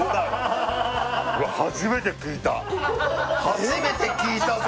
初めて聞いたぞ！